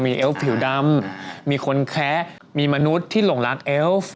มีเอฟผิวดำมีคนแคะมีมนุษย์ที่หลงรักเอฟ